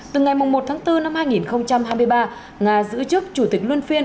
từ ngày một tháng bốn năm hai nghìn hai mươi ba nga giữ chức chủ tịch luân phiên